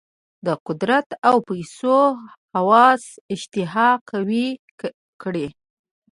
د قدرت او پیسو هوس اشتها قوي کړې.